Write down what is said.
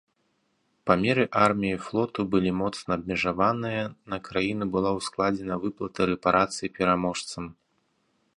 Памеры арміі і флоту былі моцна абмежаваныя, на краіну была ўскладзена выплата рэпарацый пераможцам.